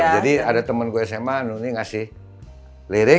jadi ada temen gue sma nuni ngasih lirik